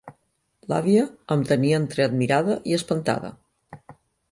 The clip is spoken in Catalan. L'àvia em tenia entre admirada i espantada.